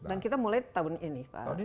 dan kita mulai tahun ini